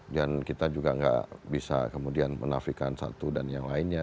dan kita juga tidak bisa kemudian menafikan satu dan yang lainnya